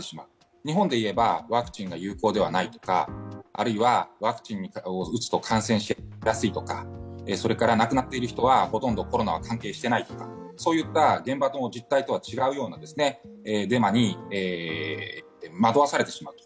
日本で言えばワクチンが有効ではないとかあるいはワクチンを打つと感染しやすいとか、亡くなっている人は、ほとんどコロナは関係していないとかそういった現場の実態とは違うようなデマに惑わされてしまう。